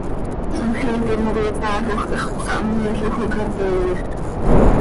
Cmajiic himcoi isaajoj quih hax cösahmeeloj oo ca teeyo.